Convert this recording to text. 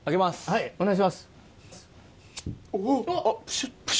はいお願いします。